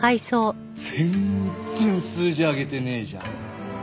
全然数字上げてねえじゃん。